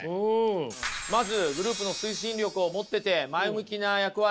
まずグループの推進力を持ってて前向きな役割。